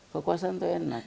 kekuasaan tuh enak